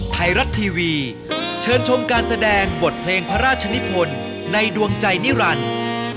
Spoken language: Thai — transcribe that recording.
ไทยรัฐทีวีเชิญชมการแสดงบทเพลงพระราชนิพลในดวงใจนิรันดิ์